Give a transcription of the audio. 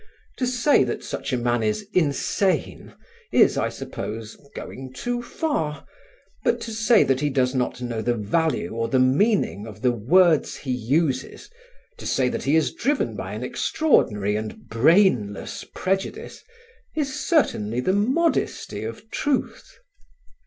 To say that such a man is insane is, I suppose, going too far; but to say that he does not know the value or the meaning of the words he uses, to say that he is driven by an extraordinary and brainless prejudice, is certainly the modesty of truth.